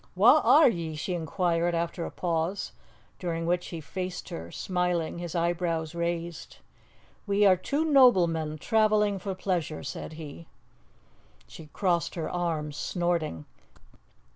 "Wha are ye?" she inquired after a pause, during which he faced her, smiling, his eyebrows raised. "We are two noblemen, travelling for pleasure," said he. She crossed her arms, snorting.